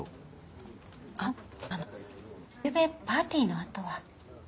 あのあのゆうべパーティーのあとは。